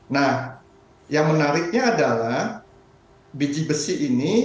nah yang menariknya adalah